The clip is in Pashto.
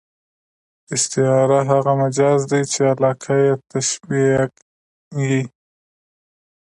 استعاره هغه مجاز دئ، چي علاقه ئې تشبېه يي.